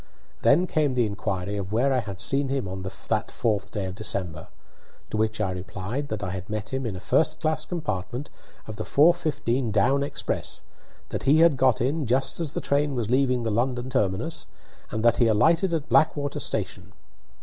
Then came the inquiry of where I had seen him on that fourth day of December; to which I replied that I met him in a first class compartment of the 4:15 down express, that he got in just as the train was leaving the London terminus, and that he alighted at Blackwater station.